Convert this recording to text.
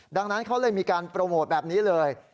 ดังนั้นเขาเลยมีการโปรโมทแบบนี้เลย